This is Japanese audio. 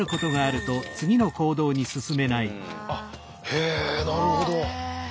へえなるほど。